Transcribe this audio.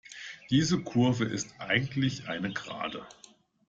Diese Kurve ist eigentlich eine Gerade.